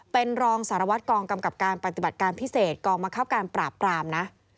เป็นรองสารวัตรกองกำกับการปฏิบัติการพิเศษกองบังคับการปราบปรามนะ